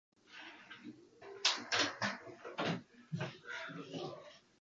僕らは日が暮れるまでそこで過ごした